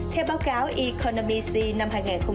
theo báo cáo economy five năm hai nghìn hai mươi hai